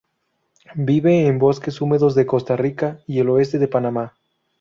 Viven en bosques húmedos de Costa Rica y el oeste de Panamá.